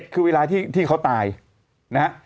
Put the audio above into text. คือเวลาที่เขาตายนะฮะ